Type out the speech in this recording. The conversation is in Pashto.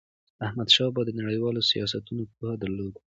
احمدشاه بابا د نړیوالو سیاستونو پوهه درلوده.